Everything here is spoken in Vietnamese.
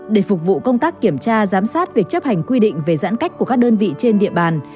để phục vụ công tác kiểm tra giám sát việc chấp hành quy định về giãn cách của các đơn vị trên địa bàn